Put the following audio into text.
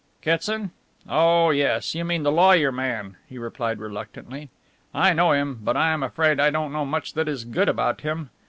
"Kitson? Oh yes, you mean the lawyer man," he replied reluctantly. "I know him, but I am afraid I don't know much that is good about him.